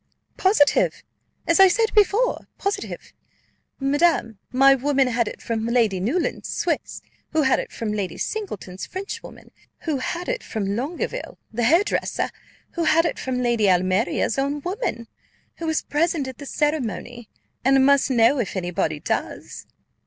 "Positive! as I said before, positive! Madam, my woman had it from Lady Newland's Swiss, who had it from Lady Singleton's Frenchwoman, who had it from Longueville, the hairdresser, who had it from Lady Almeria's own woman, who was present at the ceremony, and must know if any body does."